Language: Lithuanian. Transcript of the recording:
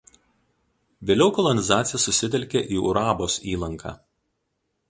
Vėliau kolonizacija susitelkė į Urabos įlanką.